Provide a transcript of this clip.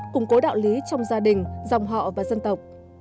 củng cố đạo lý trong gia đình dòng họ và dân tộc